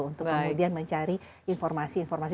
untuk kemudian mencari informasi informasi